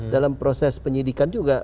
dalam proses penyidikan juga